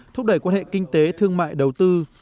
thúc đẩy quan hệ kinh tế thương mại đầu tư